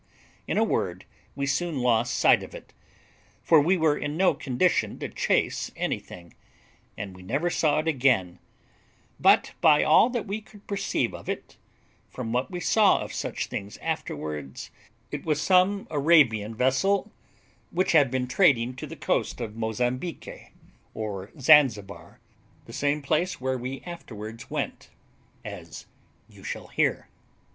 In a word, we soon lost sight of it, for we were in no condition to chase anything, and we never saw it again; but, by all that we could perceive of it, from what we saw of such things afterwards, it was some Arabian vessel, which had been trading to the coast of Mozambique, or Zanzibar, the same place where we afterwards went, as you shall hear.